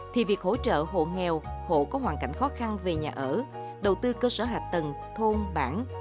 thì việc hỗ trợ hộ nghèo hộ có hoàn cảnh khó khăn về nhà ở đầu tư cơ sở hạ tầng thôn bản